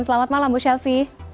selamat malam bu shelfie